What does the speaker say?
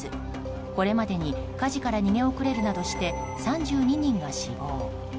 これまでに火事から逃げ遅れるなどして３２人が死亡。